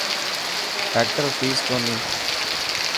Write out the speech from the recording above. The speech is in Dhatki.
ڊاڪٽر فيس ڪوني.